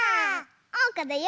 おうかだよ！